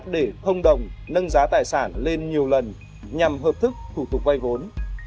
để thông đồng nâng giá tài sản lên nhiều lần nhằm hợp thức thủ tục vay vốn